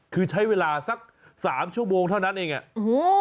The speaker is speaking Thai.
คือใช้เวลาสักสามชั่วโมงเท่านั้นเองอ่ะโอ้โห